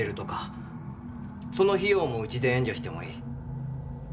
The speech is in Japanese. その費用もうちで援助してもいい。